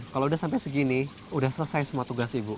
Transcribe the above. kalau udah sampai segini udah selesai semua tugas ibu